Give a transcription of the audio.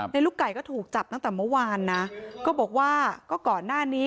ลูกไก่ก็ถูกจับตั้งแต่เมื่อวานนะก็บอกว่าก็ก่อนหน้านี้